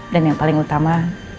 dan yang paling utama